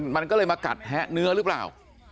มันก็เลยมากัดแทะเนื้อหรือเปล่า